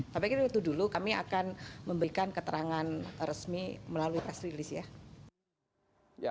tapi kita itu dulu kami akan memberikan keterangan resmi melalui press release ya